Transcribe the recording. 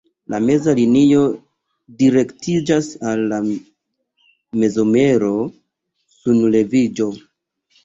La meza linio direktiĝas al la mezsomero-sunleviĝo.